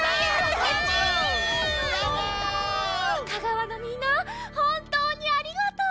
香川のみんなほんとうにありがとう！